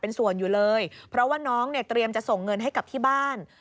เป็นส่วนอยู่เลยเพราะว่าน้องเนี่ยเตรียมจะส่งเงินให้กับที่บ้าน